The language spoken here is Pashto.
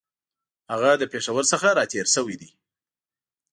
هغه له پېښور څخه را تېر شوی دی.